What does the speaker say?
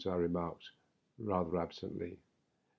" I remarked, rather absently.